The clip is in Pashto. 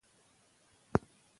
که غنم وکرو نو ډوډۍ نه کمیږي.